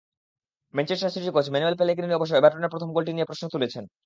Manchester City coach Manuel Pellegrini অবশ্য এভারটনের প্রথম গোলটি নিয়ে প্রশ্ন তুলেছেন।